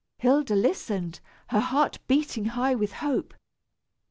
Hilda listened, her heart beating high with hope.